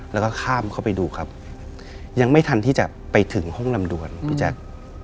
แล้วก็ข้ามเข้าไปดูครับยังไม่ทันที่จะไปถึงห้องลำดวนพี่แจ๊ค